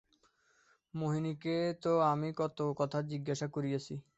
মোহিনীকে তো আমি কত কথা জিজ্ঞাসা করিয়াছি।